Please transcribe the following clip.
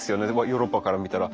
ヨーロッパから見たら。